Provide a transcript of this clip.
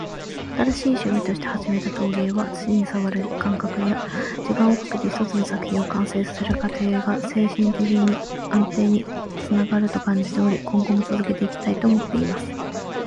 「新しい趣味として始めた陶芸は、土を触る感覚や、時間をかけて一つの作品を完成させる過程が精神的な安定につながると感じており、今後も続けていきたいと思っています。」